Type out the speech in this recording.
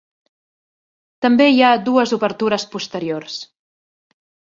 També hi ha dues obertures posteriors.